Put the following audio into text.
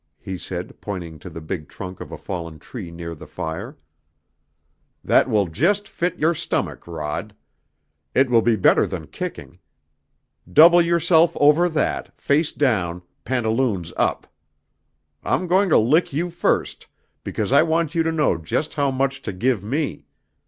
he said, pointing to the big trunk of a fallen tree near the fire "That will just fit your stomach, Rod. It will be better than kicking. Double yourself over that, face down, pantaloons up. I'm going to lick you first because I want you to know just how much to give me.